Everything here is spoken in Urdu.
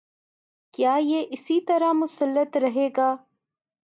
کیا یہ اسی طرح مسلط رہے گا؟